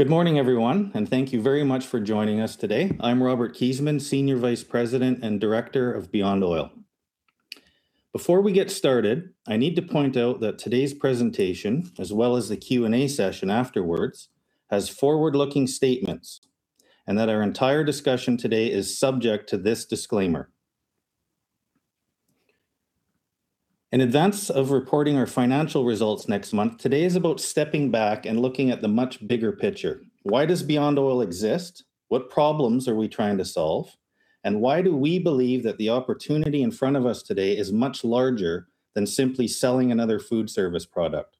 Good morning, everyone, and thank you very much for joining us today. I'm Robert Kiesman, Senior Vice President and Director of Beyond Oil. Before we get started, I need to point out that today's presentation, as well as the Q&A session afterwards, has forward-looking statements, and that our entire discussion today is subject to this disclaimer. In advance of reporting our financial results next month, today is about stepping back and looking at the much bigger picture. Why does Beyond Oil exist? What problems are we trying to solve? Why do we believe that the opportunity in front of us today is much larger than simply selling another food service product?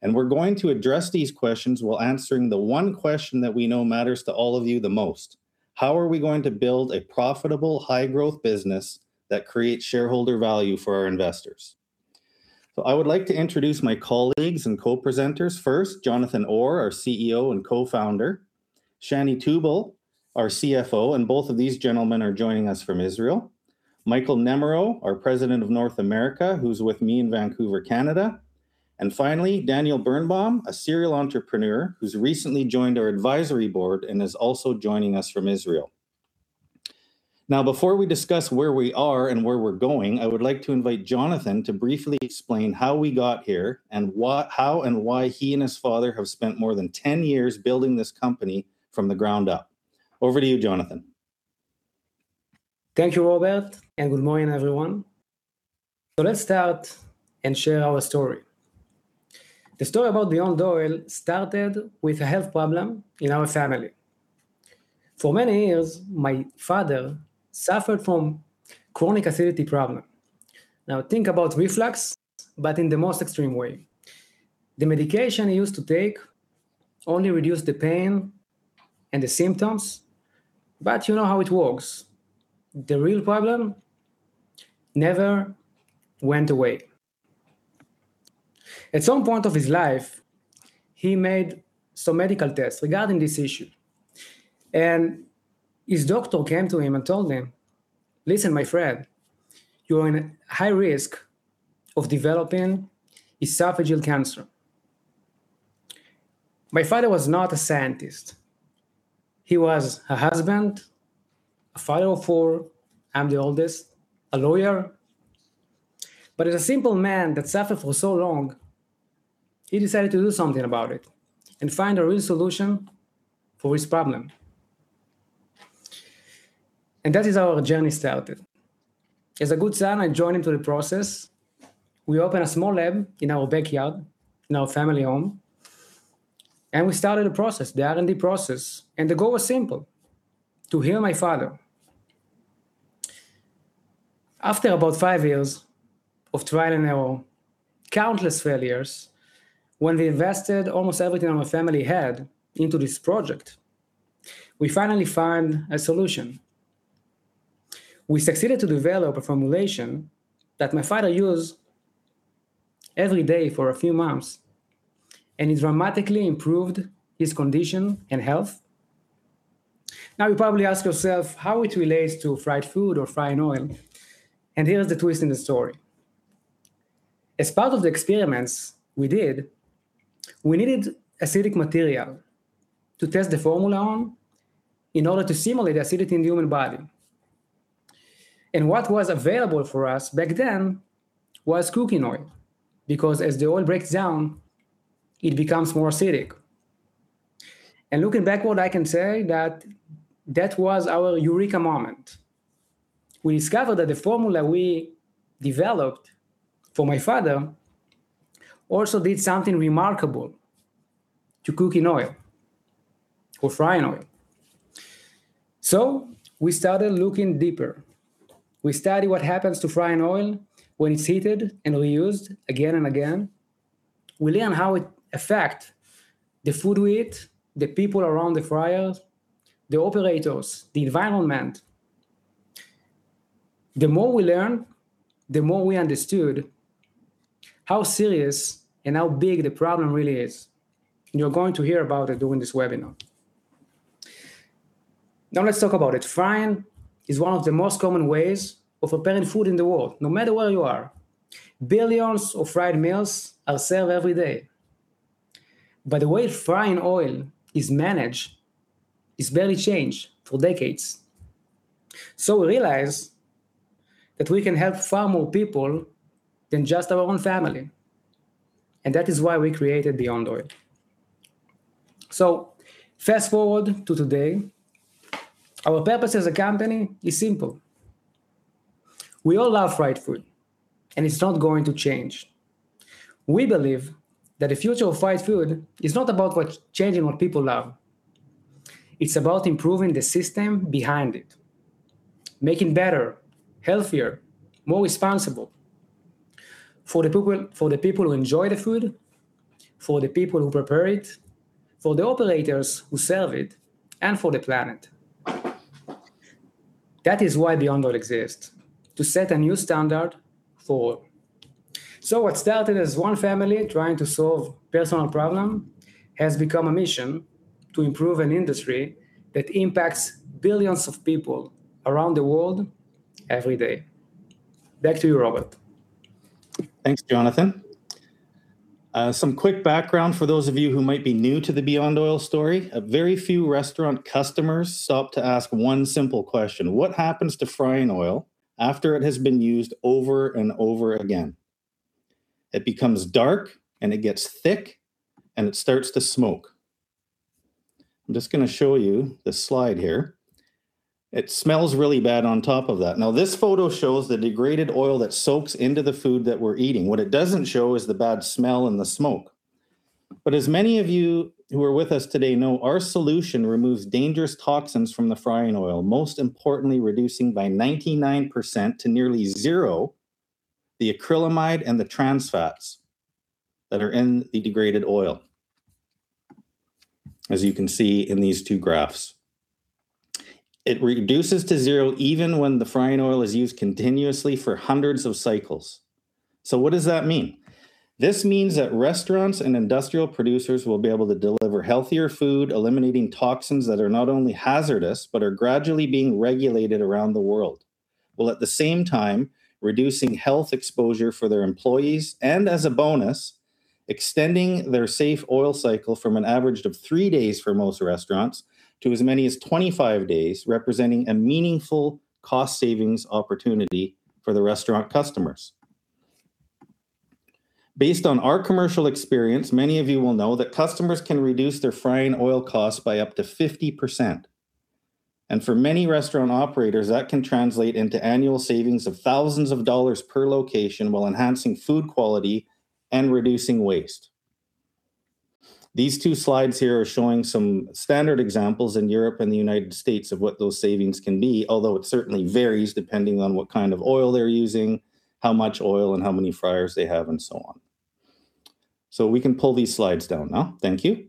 We're going to address these questions while answering the one question that we know matters to all of you the most. How are we going to build a profitable, high-growth business that creates shareholder value for our investors? I would like to introduce my colleagues and co-presenters. First, Jonathan Or, our CEO and Co-Founder, Shany Touboul, our CFO, and both of these gentlemen are joining us from Israel. Michael Nemirow, our President of North America, who's with me in Vancouver, Canada. Finally, Daniel Birnbaum, a serial entrepreneur who's recently joined our Advisory Board and is also joining us from Israel. Now, before we discuss where we are and where we're going, I would like to invite Jonathan to briefly explain how we got here and how and why he and his father have spent more than 10 years building this company from the ground up. Over to you, Jonathan. Thank you, Robert, and good morning, everyone. Let's start and share our story. The story about Beyond Oil started with a health problem in our family. For many years, my father suffered from chronic acidity problem. Now, think about reflux, but in the most extreme way. The medication he used to take only reduced the pain and the symptoms, but you know how it works. The real problem never went away. At some point of his life, he made some medical tests regarding this issue, and his doctor came to him and told him, listen, my friend, you are in high risk of developing esophageal cancer. My father was not a scientist. He was a husband, a father of four, I'm the oldest, a lawyer. As a simple man that suffered for so long, he decided to do something about it and find a real solution for his problem. That is how our journey started. As a good son, I joined into the process. We opened a small lab in our backyard, in our family home, and we started a process, the R&D process, and the goal was simple, to heal my father. After about five years of trial and error, countless failures, when we invested almost everything our family had into this project, we finally found a solution. We succeeded to develop a formulation that my father used every day for a few months, and it dramatically improved his condition and health. Now, you probably ask yourself how it relates to fried food or frying oil, and here is the twist in the story. As part of the experiments we did, we needed acidic material to test the formula on in order to simulate acidity in the human body. What was available for us back then was cooking oil, because as the oil breaks down, it becomes more acidic. Looking backward, I can say that that was our eureka moment. We discovered that the formula we developed for my father also did something remarkable to cooking oil or frying oil. We started looking deeper. We studied what happens to frying oil when it's heated and reused again and again. We learn how it affect the food we eat, the people around the fryer, the operators, the environment. The more we learn, the more we understood how serious and how big the problem really is, and you're going to hear about it during this webinar. Let's talk about it. Frying is one of the most common ways of preparing food in the world, no matter where you are. Billions of fried meals are served every day. The way frying oil is managed is barely changed for decades. We realized that we can help far more people than just our own family, and that is why we created Beyond Oil. Fast-forward to today. Our purpose as a company is simple. We all love fried food, and it's not going to change. We believe that the future of fried food is not about changing what people love. It's about improving the system behind it, making better, healthier, more responsible for the people who enjoy the food, for the people who prepare it, for the operators who serve it, and for the planet. That is why Beyond Oil exists, to set a new standard for all. What started as one family trying to solve personal problem has become a mission to improve an industry that impacts billions of people around the world every day. Back to you, Robert. Thanks, Jonathan. Some quick background for those of you who might be new to the Beyond Oil story. Very few restaurant customers stop to ask one simple question, what happens to frying oil after it has been used over and over again? It becomes dark, and it gets thick, and it starts to smoke. I'm just going to show you this slide here. It smells really bad on top of that. This photo shows the degraded oil that soaks into the food that we're eating. What it doesn't show is the bad smell and the smoke. As many of you who are with us today know, our solution removes dangerous toxins from the frying oil, most importantly, reducing by 99% to nearly 0%, the acrylamide and the trans fats that are in the degraded oil, as you can see in these two graphs. It reduces to zero even when the frying oil is used continuously for hundreds of cycles. What does that mean? This means that restaurants and industrial producers will be able to deliver healthier food, eliminating toxins that are not only hazardous but are gradually being regulated around the world, while at the same time reducing health exposure for their employees, and as a bonus, extending their safe oil cycle from an average of three days for most restaurants to as many as 25 days, representing a meaningful cost savings opportunity for the restaurant customers. Based on our commercial experience, many of you will know that customers can reduce their frying oil costs by up to 50%, and for many restaurant operators, that can translate into annual savings of thousands of dollars per location while enhancing food quality and reducing waste. These two slides here are showing some standard examples in Europe and the United States of what those savings can be, although it certainly varies depending on what kind of oil they're using, how much oil, and how many fryers they have, and so on. We can pull these slides down now. Thank you.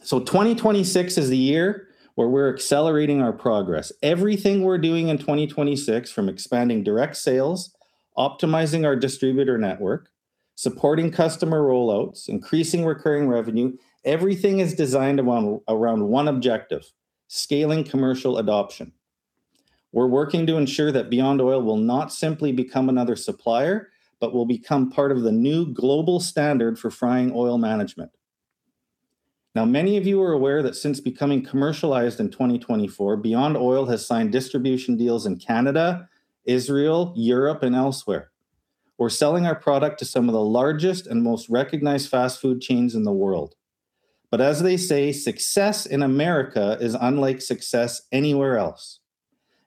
2026 is the year where we're accelerating our progress. Everything we're doing in 2026, from expanding direct sales, optimizing our distributor network, supporting customer rollouts, increasing recurring revenue, everything is designed around one objective, scaling commercial adoption. We're working to ensure that Beyond Oil will not simply become another supplier, but will become part of the new global standard for frying oil management. Now, many of you are aware that since becoming commercialized in 2024, Beyond Oil has signed distribution deals in Canada, Israel, Europe, and elsewhere. We're selling our product to some of the largest and most recognized fast food chains in the world. As they say, success in America is unlike success anywhere else,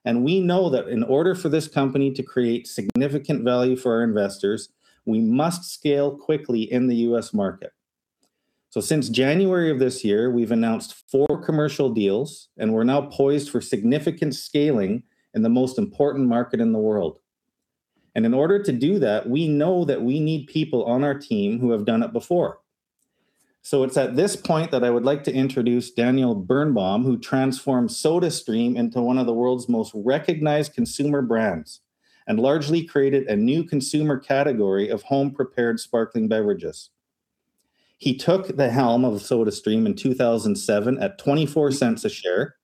and we know that in order for this company to create significant value for our investors, we must scale quickly in the U.S. market. Since January of this year, we've announced four commercial deals, and we're now poised for significant scaling in the most important market in the world. In order to do that, we know that we need people on our team who have done it before. It's at this point that I would like to introduce Daniel Birnbaum, who transformed SodaStream into one of the world's most recognized consumer brands and largely created a new consumer category of home-prepared sparkling beverages. He took the helm of SodaStream in 2007 at $0.24 a share,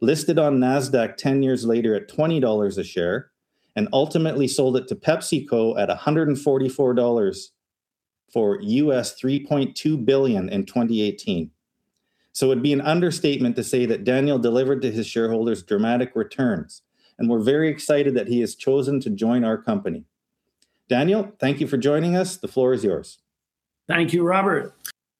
listed on Nasdaq 10 years later at $20 a share, and ultimately sold it to PepsiCo at $144 for $3.2 billion in 2018. It'd be an understatement to say that Daniel delivered to his shareholders dramatic returns, and we're very excited that he has chosen to join our company. Daniel, thank you for joining us. The floor is yours. Thank you, Robert.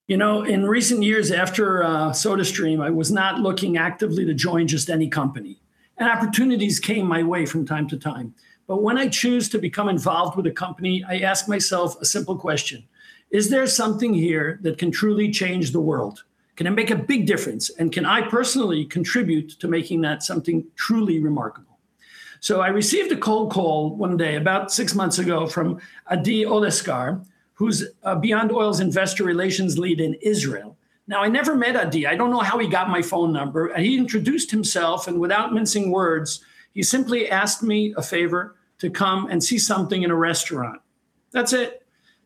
In recent years after SodaStream, I was not looking actively to join just any company, opportunities came my way from time-to-time. When I choose to become involved with a company, I ask myself a simple question: Is there something here that can truly change the world? Can it make a big difference, and can I personally contribute to making that something truly remarkable? I received a cold call one day about six months ago from Adi Olesker, who's Beyond Oil's Investor Relations lead in Israel. I never met Adi. I don't know how he got my phone number. He introduced himself, and without mincing words, he simply asked me a favor to come and see something in a restaurant. That's it.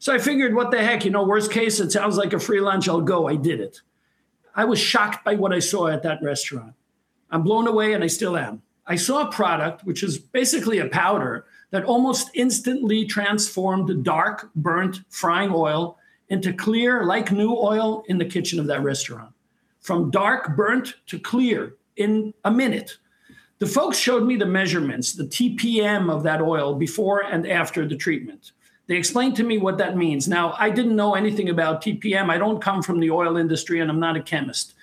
I figured, what the heck? Worst case, it sounds like a free lunch. I'll go. I did it. I was shocked by what I saw at that restaurant. I'm blown away, and I still am. I saw a product, which is basically a powder, that almost instantly transformed dark, burnt frying oil into clear, like-new oil in the kitchen of that restaurant. From dark burnt to clear in a minute. The folks showed me the measurements, the TPM of that oil before and after the treatment. They explained to me what that means. I didn't know anything about TPM. I don't come from the oil industry, and I'm not a chemist.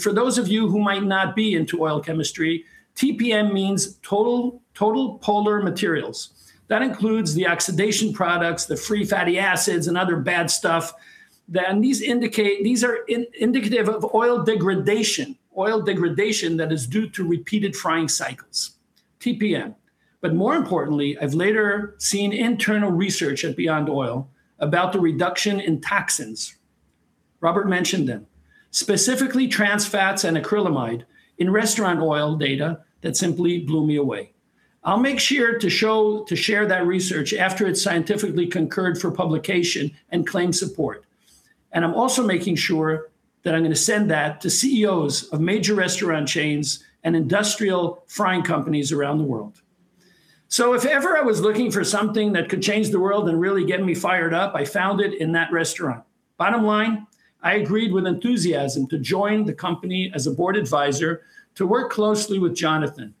For those of you who might not be into oil chemistry, TPM means Total Polar Materials. That includes the oxidation products, the free fatty acids, and other bad stuff. These are indicative of oil degradation, oil degradation that is due to repeated frying cycles, TPM. More importantly, I've later seen internal research at Beyond Oil about the reduction in toxins, Robert mentioned them, specifically trans fats and acrylamide in restaurant oil data that simply blew me away. I'll make sure to share that research after it's scientifically concurred for publication and claim support. I'm also making sure that I'm going to send that to CEOs of major restaurant chains and industrial frying companies around the world. If ever I was looking for something that could change the world and really get me fired up, I found it in that restaurant. Bottom line, I agreed with enthusiasm to join the company as a Board advisor to work closely with Jonathan.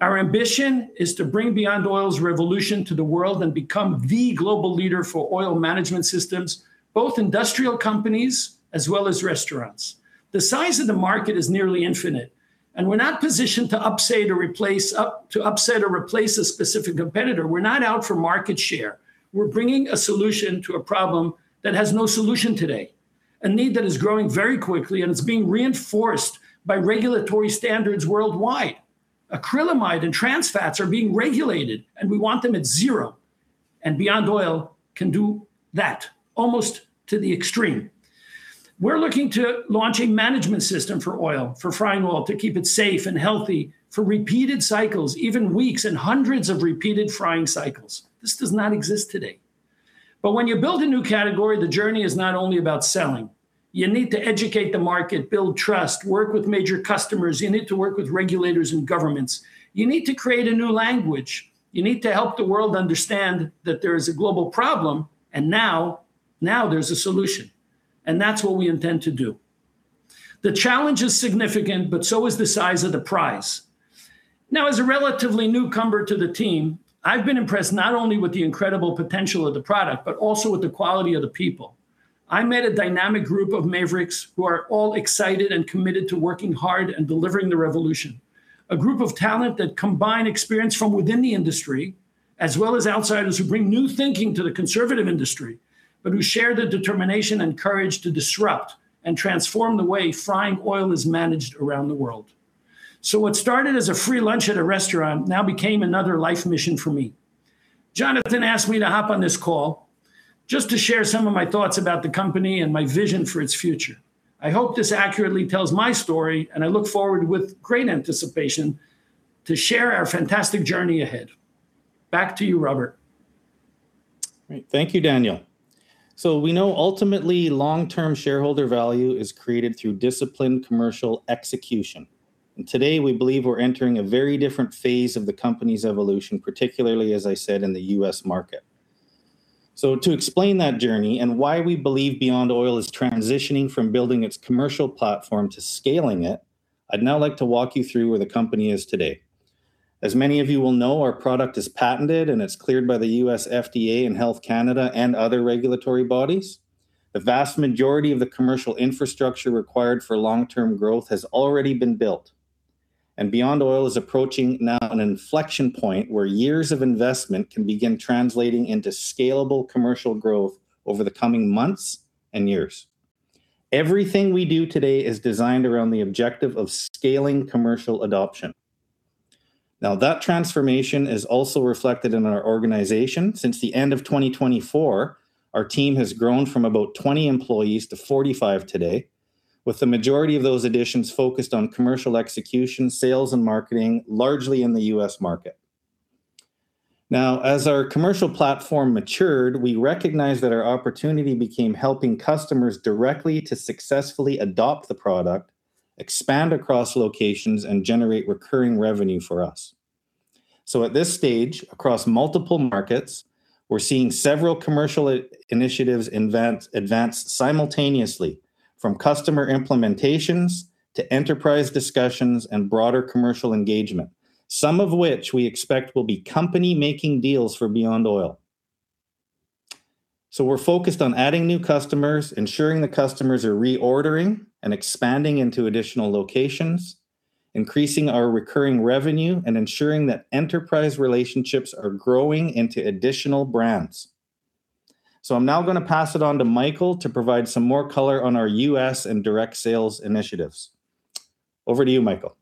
Our ambition is to bring Beyond Oil's revolution to the world and become the global leader for oil management systems, both industrial companies as well as restaurants. The size of the market is nearly infinite, we're not positioned to upset or replace a specific competitor. We're not out for market share. We're bringing a solution to a problem that has no solution today, a need that is growing very quickly, and it's being reinforced by regulatory standards worldwide. Acrylamide and trans fats are being regulated, we want them at zero. Beyond Oil can do that almost to the extreme. We're looking to launch a management system for frying oil to keep it safe and healthy for repeated cycles, even weeks and hundreds of repeated frying cycles. This does not exist today. When you build a new category, the journey is not only about selling. You need to educate the market, build trust, work with major customers. You need to work with regulators and governments. You need to create a new language. You need to help the world understand that there is a global problem. Now there's a solution, and that's what we intend to do. The challenge is significant, but so is the size of the prize. As a relatively newcomer to the team, I've been impressed not only with the incredible potential of the product, but also with the quality of the people. I met a dynamic group of mavericks who are all excited and committed to working hard and delivering the revolution. A group of talent that combine experience from within the industry, as well as outsiders who bring new thinking to the conservative industry, but who share the determination and courage to disrupt and transform the way frying oil is managed around the world. What started as a free lunch at a restaurant now became another life mission for me. Jonathan asked me to hop on this call just to share some of my thoughts about the company and my vision for its future. I hope this accurately tells my story. I look forward with great anticipation to share our fantastic journey ahead. Back to you, Robert. Great. Thank you, Daniel. We know ultimately long-term shareholder value is created through disciplined commercial execution. Today we believe we're entering a very different phase of the company's evolution, particularly, as I said, in the U.S. market. To explain that journey and why we believe Beyond Oil is transitioning from building its commercial platform to scaling it, I'd now like to walk you through where the company is today. As many of you will know, our product is patented. It's cleared by the U.S. FDA, Health Canada, and other regulatory bodies. The vast majority of the commercial infrastructure required for long-term growth has already been built. Beyond Oil is approaching now an inflection point where years of investment can begin translating into scalable commercial growth over the coming months and years. Everything we do today is designed around the objective of scaling commercial adoption. That transformation is also reflected in our organization. Since the end of 2024, our team has grown from about 20 employees to 45 today, with the majority of those additions focused on commercial execution, sales, and marketing, largely in the U.S. market. As our commercial platform matured, we recognized that our opportunity became helping customers directly to successfully adopt the product, expand across locations, and generate recurring revenue for us. At this stage, across multiple markets, we're seeing several commercial initiatives advance simultaneously from customer implementations to enterprise discussions and broader commercial engagement, some of which we expect will be company-making deals for Beyond Oil. We're focused on adding new customers, ensuring the customers are reordering and expanding into additional locations, increasing our recurring revenue, and ensuring that enterprise relationships are growing into additional brands. I'm now going to pass it on to Michael to provide some more color on our U.S. and direct sales initiatives. Over to you, Michael.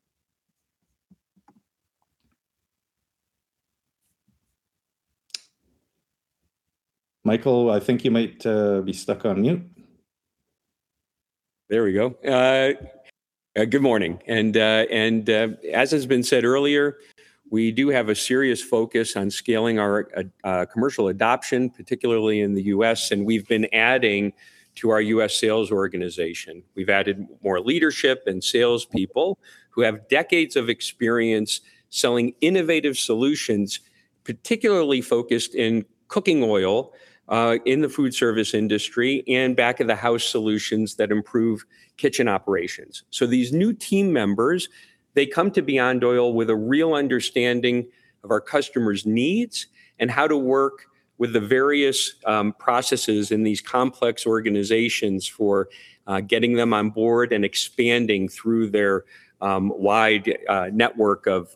Michael, I think you might be stuck on mute. There we go. Good morning. As has been said earlier, we do have a serious focus on scaling our commercial adoption, particularly in the U.S., and we've been adding to our U.S. sales organization. We've added more leadership and salespeople who have decades of experience selling innovative solutions, particularly focused in cooking oil, in the food service industry, and back-of-the-house solutions that improve kitchen operations. These new team members, they come to Beyond Oil with a real understanding of our customers' needs and how to work with the various processes in these complex organizations for getting them on board and expanding through their wide network of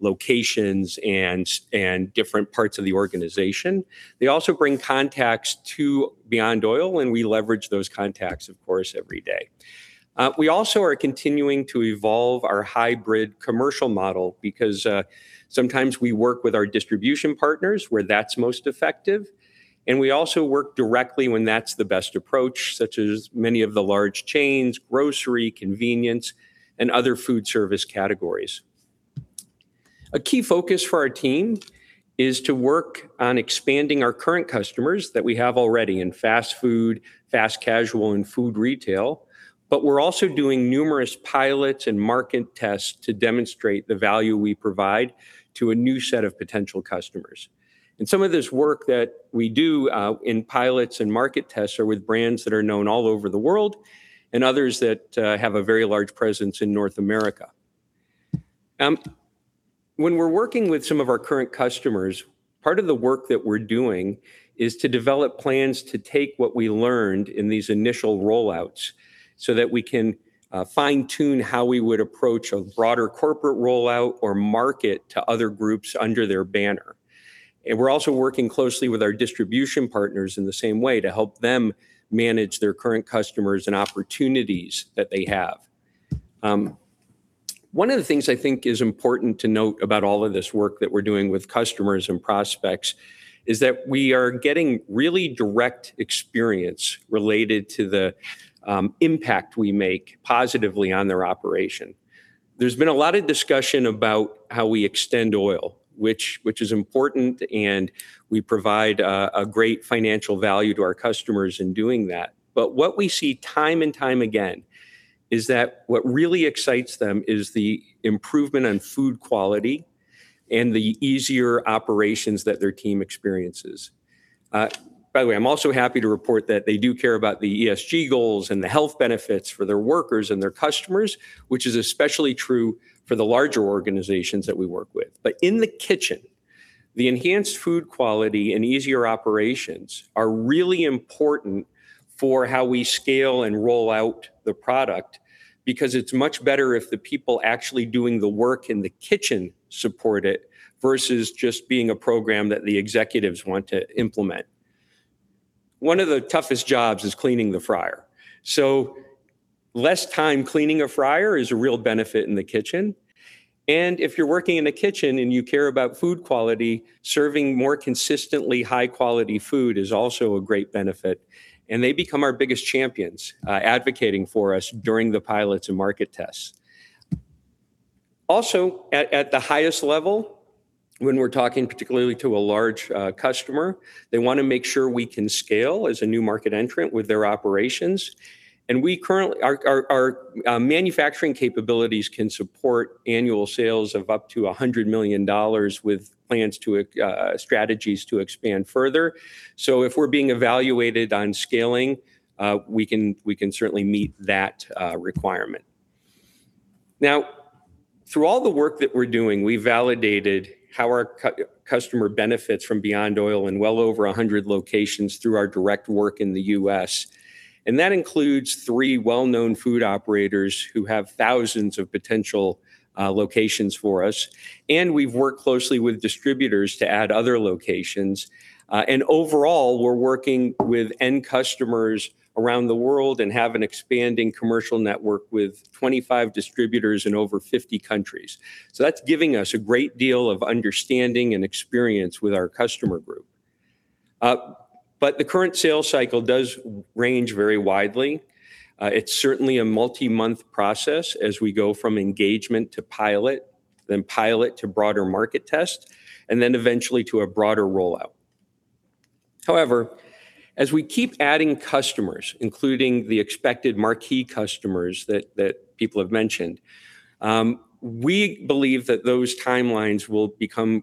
locations and different parts of the organization. They also bring contacts to Beyond Oil, and we leverage those contacts, of course, every day. We also are continuing to evolve our hybrid commercial model because sometimes we work with our distribution partners, where that's most effective, and we also work directly when that's the best approach, such as many of the large chains, grocery, convenience, and other food service categories. A key focus for our team is to work on expanding our current customers that we have already in fast food, fast casual, and food retail. We're also doing numerous pilots and market tests to demonstrate the value we provide to a new set of potential customers. Some of this work that we do in pilots and market tests are with brands that are known all over the world, and others that have a very large presence in North America. When we're working with some of our current customers, part of the work that we're doing is to develop plans to take what we learned in these initial roll-outs, so that we can fine-tune how we would approach a broader corporate rollout or market to other groups under their banner. We're also working closely with our distribution partners in the same way to help them manage their current customers and opportunities that they have. One of the things I think is important to note about all of this work that we're doing with customers and prospects is that we are getting really direct experience related to the impact we make positively on their operation. There's been a lot of discussion about how we extend oil, which is important, and we provide a great financial value to our customers in doing that. What we see time and time again is that what really excites them is the improvement in food quality and the easier operations that their team experiences. By the way, I'm also happy to report that they do care about the ESG goals and the health benefits for their workers and their customers, which is especially true for the larger organizations that we work with. In the kitchen, the enhanced food quality and easier operations are really important for how we scale and roll out the product, because it's much better if the people actually doing the work in the kitchen support it, versus just being a program that the executives want to implement. One of the toughest jobs is cleaning the fryer. Less time cleaning a fryer is a real benefit in the kitchen, and if you're working in a kitchen and you care about food quality, serving more consistently high-quality food is also a great benefit. They become our biggest champions, advocating for us during the pilots and market tests. Also, at the highest level, when we're talking particularly to a large customer, they want to make sure we can scale as a new market entrant with their operations. Our manufacturing capabilities can support annual sales of up to $100 million with strategies to expand further. If we're being evaluated on scaling, we can certainly meet that requirement. Now, through all the work that we're doing, we validated how our customer benefits from Beyond Oil in well over 100 locations through our direct work in the U.S.. That includes three well-known food operators who have thousands of potential locations for us. We've worked closely with distributors to add other locations. Overall, we're working with end customers around the world and have an expanding commercial network with 25 distributors in over 50 countries. That's giving us a great deal of understanding and experience with our customer group. The current sales cycle does range very widely. It's certainly a multi-month process as we go from engagement to pilot, then pilot to broader market test, and then eventually to a broader rollout. However, as we keep adding customers, including the expected marquee customers that people have mentioned, we believe that those timelines will become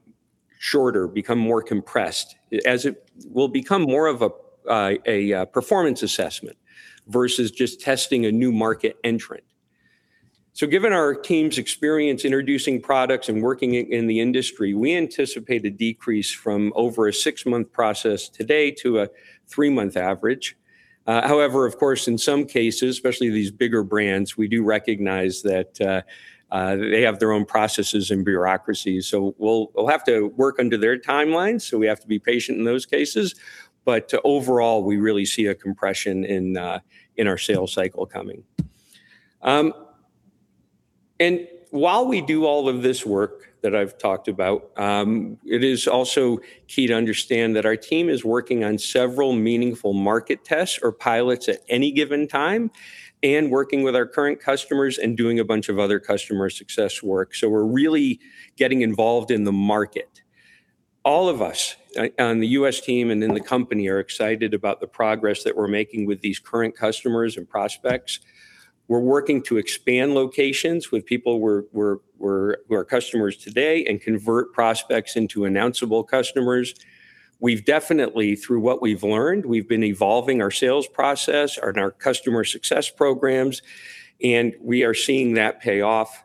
shorter, become more compressed, as it will become more of a performance assessment versus just testing a new market entrant. Given our team's experience introducing products and working in the industry, we anticipate a decrease from over a six-month process today to a three-month average. However, of course, in some cases, especially these bigger brands, we do recognize that they have their own processes and bureaucracies, so we'll have to work under their timeline, so we have to be patient in those cases. Overall, we really see a compression in our sales cycle coming. While we do all of this work that I've talked about, it is also key to understand that our team is working on several meaningful market tests or pilots at any given time, and working with our current customers and doing a bunch of other customer success work. We're really getting involved in the market. All of us on the U.S. team and in the company are excited about the progress that we're making with these current customers and prospects. We're working to expand locations with people who are customers today and convert prospects into announceable customers. We've definitely, through what we've learned, we've been evolving our sales process and our customer success programs. We are seeing that pay off.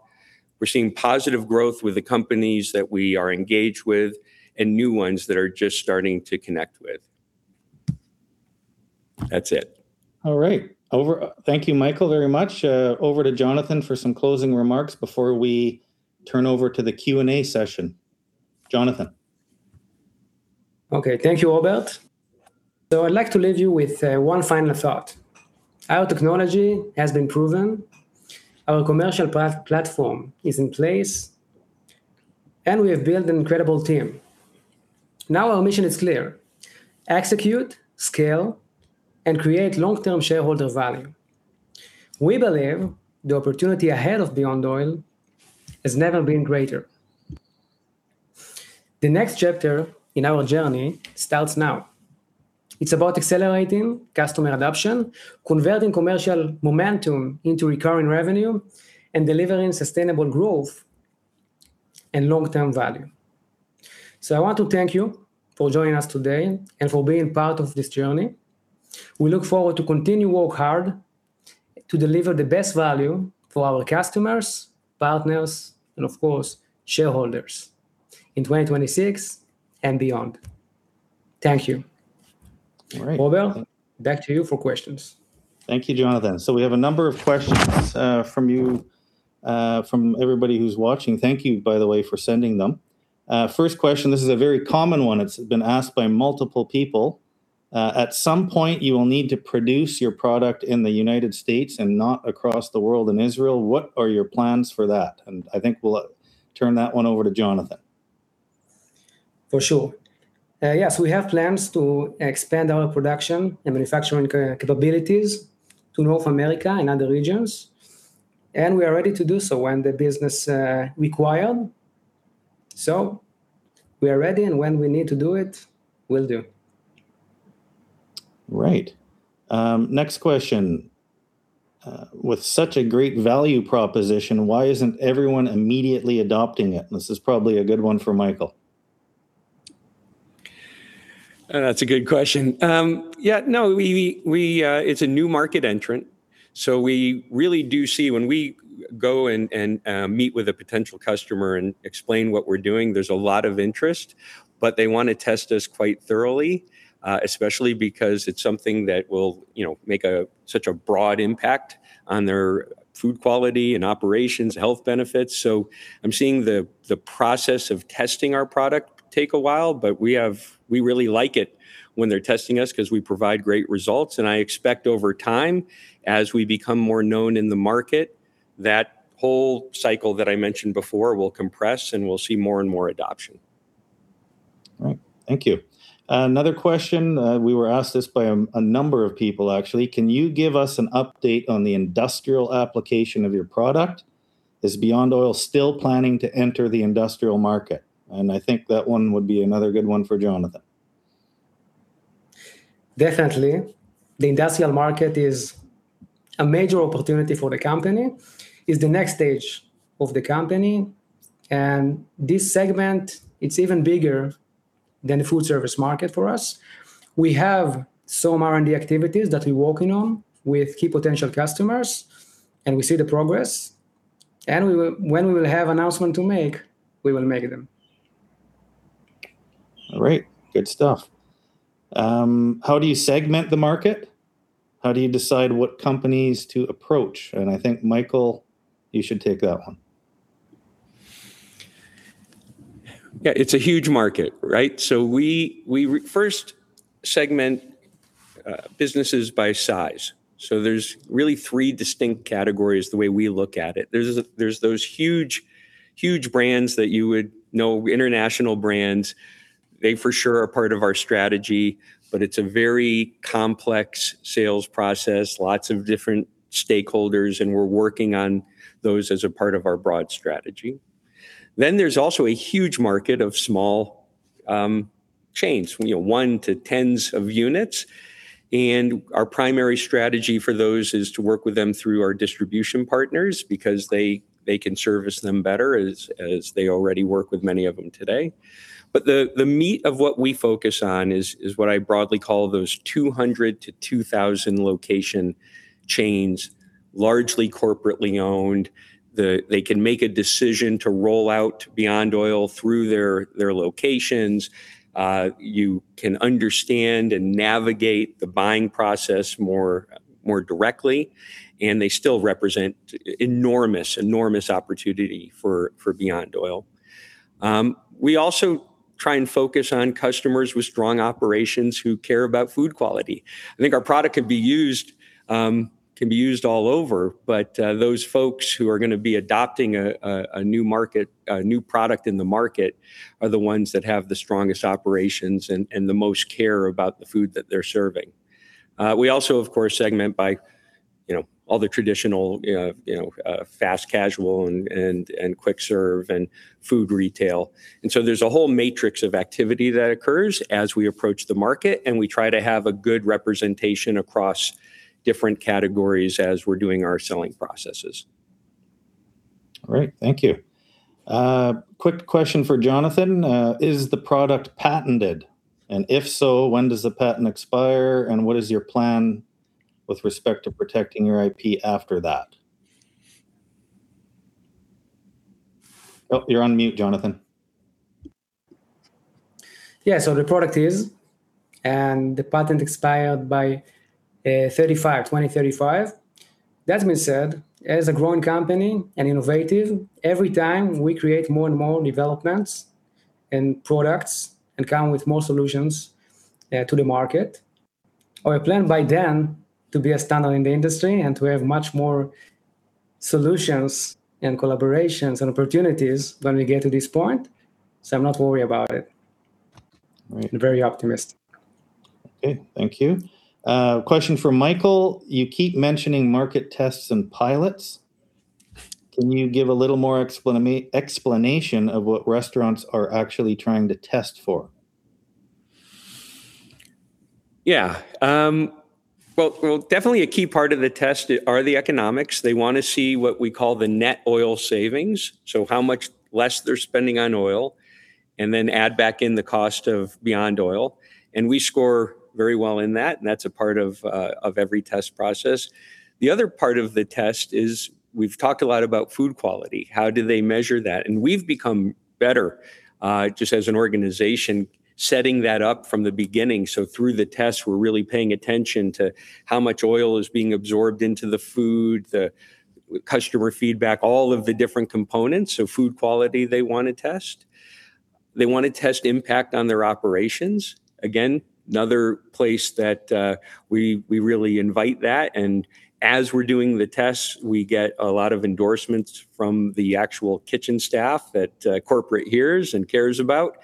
We're seeing positive growth with the companies that we are engaged with and new ones that are just starting to connect with. That's it. All right. Thank you, Michael, very much. Over to Jonathan for some closing remarks before we turn over to the Q&A session. Jonathan. Okay. Thank you, Robert. I'd like to leave you with one final thought. Our technology has been proven, our commercial platform is in place, and we have built an incredible team. Now our mission is clear: execute, scale, and create long-term shareholder value. We believe the opportunity ahead of Beyond Oil has never been greater. The next chapter in our journey starts now. It's about accelerating customer adoption, converting commercial momentum into recurring revenue, and delivering sustainable growth and long-term value. I want to thank you for joining us today and for being part of this journey. We look forward to continue work hard to deliver the best value for our customers, partners, and of course, shareholders in 2026 and beyond. Thank you. All right. Robert, back to you for questions. Thank you, Jonathan. We have a number of questions from everybody who's watching. Thank you, by the way, for sending them. First question, this is a very common one. It's been asked by multiple people. At some point, you will need to produce your product in the United States and not across the world in Israel. What are your plans for that? I think we'll turn that one over to Jonathan. For sure. Yes, we have plans to expand our production and manufacturing capabilities to North America and other regions, and we are ready to do so when the business require. We are ready, when we need to do it, will do. Right. Next question. With such a great value proposition, why isn't everyone immediately adopting it? This is probably a good one for Michael. That's a good question. It's a new market entrant. We really do see when we go and meet with a potential customer and explain what we're doing, there's a lot of interest, but they want to test us quite thoroughly, especially because it's something that will make such a broad impact on their food quality and operations, health benefits. I'm seeing the process of testing our product take a while, but we really like it when they're testing us because we provide great results, and I expect over time, as we become more known in the market, that whole cycle that I mentioned before will compress, and we'll see more and more adoption. Right. Thank you. Another question. We were asked this by a number of people, actually. Can you give us an update on the industrial application of your product? Is Beyond Oil still planning to enter the industrial market? I think that one would be another good one for Jonathan. Definitely. The industrial market is a major opportunity for the company. It's the next stage of the company. This segment, it's even bigger than the food service market for us. We have some R&D activities that we're working on with key potential customers. We see the progress. When we will have announcement to make, we will make them. All right. Good stuff. How do you segment the market? How do you decide what companies to approach? I think, Michael, you should take that one. It's a huge market, right? We first segment businesses by size. There's really three distinct categories the way we look at it. There's those huge brands that you would know, international brands. They for sure are part of our strategy, but it's a very complex sales process, lots of different stakeholders. We're working on those as a part of our broad strategy. There's also a huge market of small chains, one to tens of units, and our primary strategy for those is to work with them through our distribution partners because they can service them better as they already work with many of them today. The meat of what we focus on is what I broadly call those 200 to 2,000 location chains, largely corporately owned. They can make a decision to roll out Beyond Oil through their locations. You can understand and navigate the buying process more directly. They still represent enormous opportunity for Beyond Oil. We also try and focus on customers with strong operations who care about food quality. I think our product can be used all over, but those folks who are going to be adopting a new product in the market are the ones that have the strongest operations and the most care about the food that they're serving. We also, of course, segment by all the traditional fast casual and quick serve and food retail. There's a whole matrix of activity that occurs as we approach the market, and we try to have a good representation across different categories as we're doing our selling processes. All right. Thank you. Quick question for Jonathan. Is the product patented? If so, when does the patent expire, and what is your plan with respect to protecting your IP after that? Oh, you're on mute, Jonathan. Yeah. The product is, and the patent expired by 2035. That being said, as a growing company and innovative, every time we create more and more developments and products and come with more solutions to the market. I plan by then to be a standard in the industry and to have much more solutions and collaborations and opportunities when we get to this point. I'm not worried about it. All right. I'm very optimistic. Okay. Thank you. Question for Michael, you keep mentioning market tests and pilots. Can you give a little more explanation of what restaurants are actually trying to test for? Yeah. Well, definitely a key part of the test are the economics. They want to see what we call the net oil savings, so how much less they're spending on oil, then add back in the cost of Beyond Oil. We score very well in that, and that's a part of every test process. The other part of the test is we've talked a lot about food quality, how do they measure that? We've become better, just as an organization, setting that up from the beginning. Through the test, we're really paying attention to how much oil is being absorbed into the food, the customer feedback, all of the different components. Food quality they want to test. They want to test impact on their operations. Another place that we really invite that, as we're doing the tests, we get a lot of endorsements from the actual kitchen staff that corporate hears and cares about.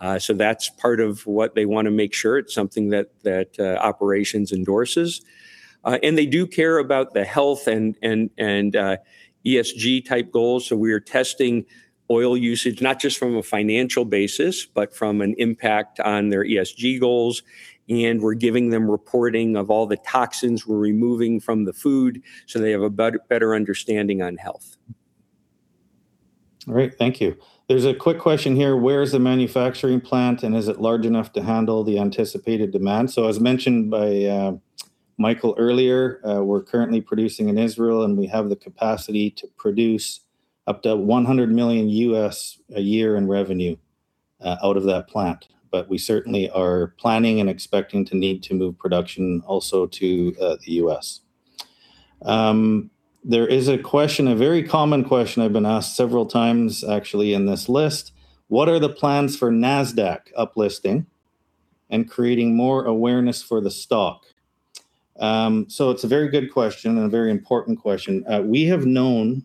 That's part of what they want to make sure it's something that operations endorses. They do care about the health and ESG type goals. We are testing oil usage, not just from a financial basis, but from an impact on their ESG goals. We're giving them reporting of all the toxins we're removing from the food so they have a better understanding on health. All right. Thank you. There's a quick question here. Where's the manufacturing plant, is it large enough to handle the anticipated demand? As mentioned by Michael earlier, we're currently producing in Israel, we have the capacity to produce up to $100 million a year in revenue out of that plant. We certainly are planning and expecting to need to move production also to the U.S.. There is a question, a very common question I've been asked several times actually in this list. What are the plans for Nasdaq uplisting and creating more awareness for the stock? It's a very good question and a very important question. We have known,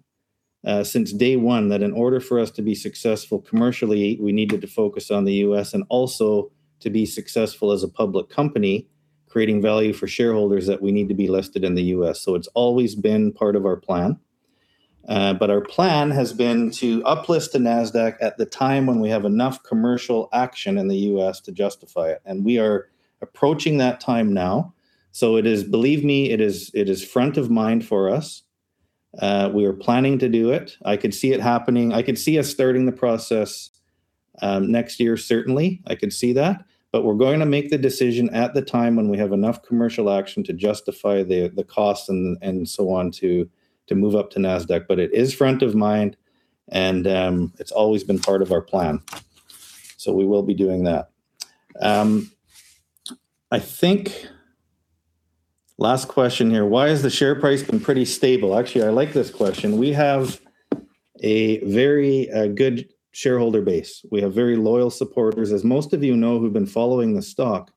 since day one that in order for us to be successful commercially, we needed to focus on the U.S. also to be successful as a public company, creating value for shareholders, that we need to be listed in the U.S.. It's always been part of our plan. Our plan has been to uplist to Nasdaq at the time when we have enough commercial action in the U.S. to justify it, we are approaching that time now. Believe me, it is front of mind for us. We are planning to do it. I could see it happening. I could see us starting the process next year, certainly. I could see that. We're going to make the decision at the time when we have enough commercial action to justify the cost and so on to move up to Nasdaq. It is front of mind, it's always been part of our plan. We will be doing that. I think last question here. Why has the share price been pretty stable? Actually, I like this question. We have a very good shareholder base. We have very loyal supporters. As most of you know who've been following the stock,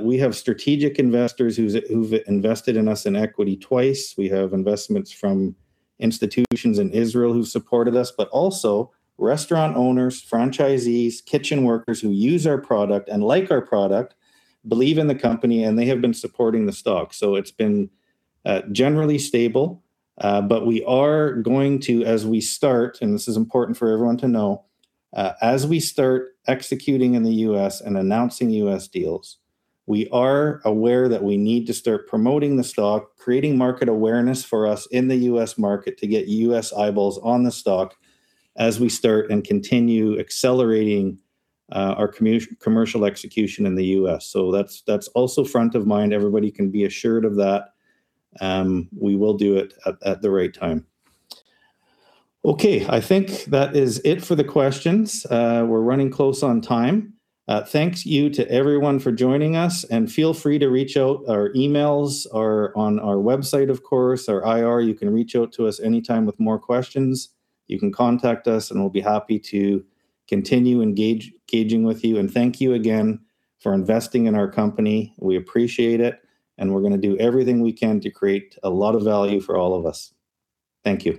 we have strategic investors who've invested in us in equity twice. We have investments from institutions in Israel who supported us, also restaurant owners, franchisees, kitchen workers who use our product and like our product, believe in the company, they have been supporting the stock. It's been generally stable, but we are going to, as we start, and this is important for everyone to know, as we start executing in the U.S. and announcing U.S. deals, we are aware that we need to start promoting the stock, creating market awareness for us in the U.S. market to get U.S. eyeballs on the stock as we start and continue accelerating our commercial execution in the U.S.. That's also front of mind. Everybody can be assured of that. We will do it at the right time. I think that is it for the questions. We're running close on time. Thank you to everyone for joining us and feel free to reach out. Our emails are on our website, of course, our IR. You can reach out to us anytime with more questions. You can contact us, and we'll be happy to continue engaging with you. Thank you again for investing in our company. We appreciate it, and we're going to do everything we can to create a lot of value for all of us. Thank you.